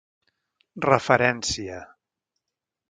Referència: